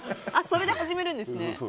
それで始めるんですね。